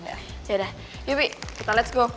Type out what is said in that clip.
yaudah yubi kita let's go